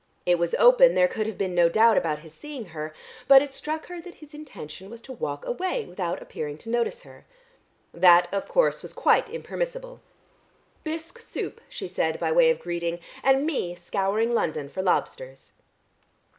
It was open, there could have been no doubt about his seeing her, but it struck her that his intention was to walk away without appearing to notice her. That, of course, was quite impermissible. "Bisque soup," she said by way of greeting. "And me scouring London for lobsters."